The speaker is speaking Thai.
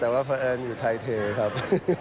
แต่ว่าเพราะเอิญอยู่ไทยเทครับ